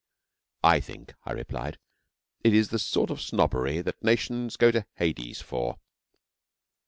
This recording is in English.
'I think, I replied, 'it is the sort of snobbery that nations go to Hades for.'